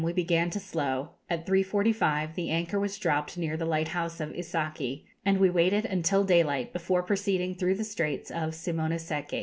we began to slow; at 3.45 the anchor was dropped near the lighthouse of Isaki, and we waited until daylight before proceeding through the Straits of Simono seki.